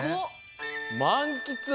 まんきつ！